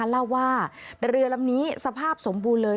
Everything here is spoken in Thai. เล่าว่าเรือลำนี้สภาพสมบูรณ์เลย